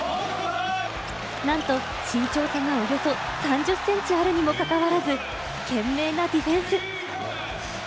なんと身長差がおよそ３０センチあるにもかかわらず、懸命なディフェンス。